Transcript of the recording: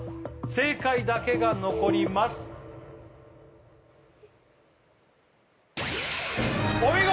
正解だけが残りますお見事！